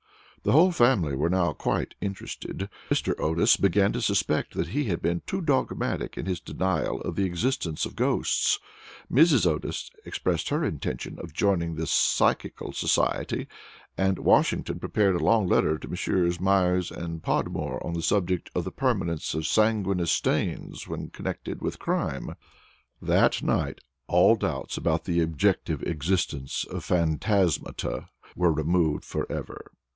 The whole family were now quite interested; Mr. Otis began to suspect that he had been too dogmatic in his denial of the existence of ghosts, Mrs. Otis expressed her intention of joining the Psychical Society, and Washington prepared a long letter to Messrs. Myers and Podmore on the subject of the Permanence of Sanguineous Stains when connected with Crime. That night all doubts about the objective existence of phantasmata were removed forever.